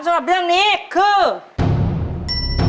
ขอเชิญแสงเดือนมาต่อชีวิตเป็นคนต่อชีวิต